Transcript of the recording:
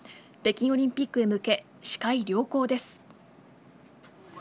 北京オリンピックへ向け視界良好です。